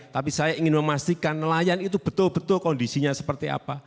tapi saya ingin memastikan nelayan itu betul betul kondisinya seperti apa